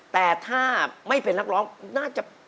แต่ถ้าไม่เป็นนักร้องน่าจะ